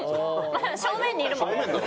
正面にいるもん。